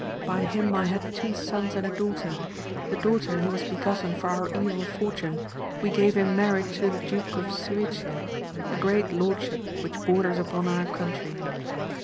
By him I had two sons and a daughter ; the daughter who was begotten for our evil fortune, we gave in marriage to the Duke of Suecia, a great lord ship which borders upon our country.